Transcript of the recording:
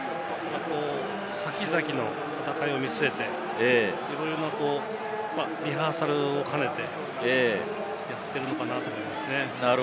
先々の戦いを見据えていろいろなリハーサルを兼ねてやってるのかなと思いますね。